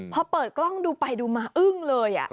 พอเปิดกล้องดูไปดูมาอึ้งเลย